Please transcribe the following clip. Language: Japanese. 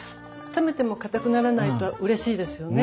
冷めてもかたくならないとうれしいですよね。